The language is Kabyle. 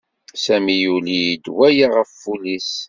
Sami yuli-d waya Ɣef wul-is.